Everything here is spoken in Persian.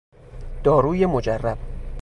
داروی مجرب